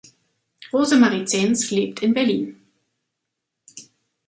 Rosemarie Zens lebt in Berlin.